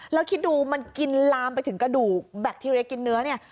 แล้วคิดดูมันกินลามไปถึงกระดูกแบคทีเรียกินเนื้อเนี่ย